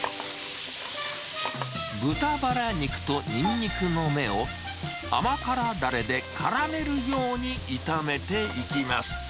豚バラ肉とにんにくの芽を、甘辛だれでからめるように炒めていきます。